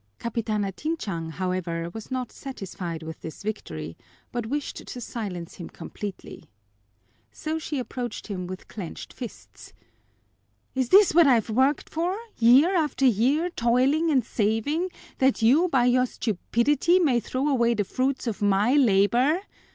Capitana Tinchang, however, was not satisfied with this victory, but wished to silence him completely. So she approached him with clenched fists. "Is this what I've worked for, year after year, toiling and saving, that you by your stupidity may throw away the fruits of my labor?"